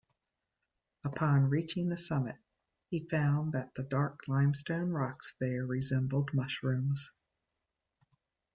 Upon reaching the summit, he found that the dark limestone rocks there resembled mushrooms.